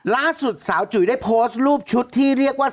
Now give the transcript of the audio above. ล่าสุดสาวจุ๋ยได้โพสต์รูปชุดที่เรียกว่า